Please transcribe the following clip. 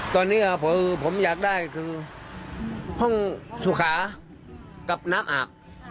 ตอนนี้ผมอยากได้คือห้องสุขากับน้ำอาบ